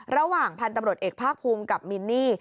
ระหว่างพันธุ์ตำรวจเอกภาคภูมิกับมินนี่